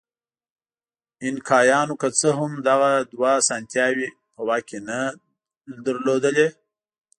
اینکایانو که څه هم دغه دوه اسانتیاوې په واک کې نه لرلې.